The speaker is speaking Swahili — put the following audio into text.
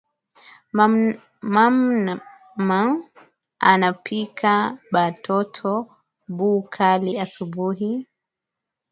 Maman anapikia ba toto bu kali asubui